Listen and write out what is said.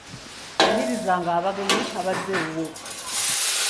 Yanirizanga abagenyi abazze ewuwo.